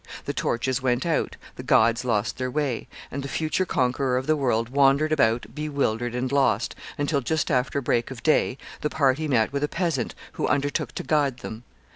The torches went out, the guides lost their way, and the future conqueror of the world wandered about bewildered and lost, until, just after break of day, the party met with a peasant who undertook to guide them.